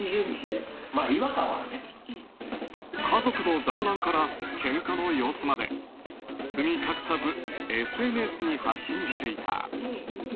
家族のだんらんからけんかの様子まで包み隠さずＳＮＳに発信していた。